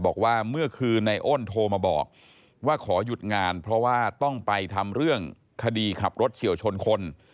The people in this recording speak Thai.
บอกว่าเมื่อคืนในอ้นโทรมาบอกว่าขอหยุดงานเพราะว่าต้องไปทำเรื่องคดีขับรถเฉียวชนคน